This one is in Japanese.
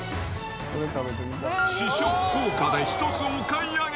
試食効果で１つお買い上げ。